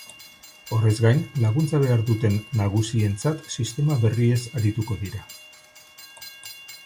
Horrez gain, laguntza behar dute nagusientzat sistema berriez arituko dira.